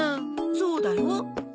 そうだよ。